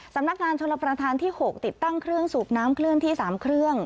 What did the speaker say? สำนักงานชลประธานที่๖ติดตั้งเครื่องสูบน้ำเคลื่อนที่๓เครื่อง